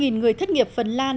hai người thất nghiệp phần lan